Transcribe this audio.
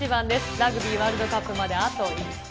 ラグビーワールドカップまであと５日。